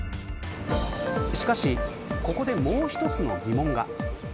しかし、ここでもう一つの疑問が。